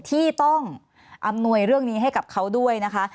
ที่ต้องอำนวยเรื่องนี้ให้กับเขาด้วยนะคะ